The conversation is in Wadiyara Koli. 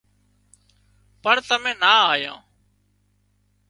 پڻ تمين نا آيان